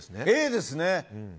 Ａですね。